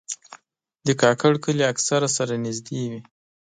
د کاکړ کلي اکثره سره نږدې وي.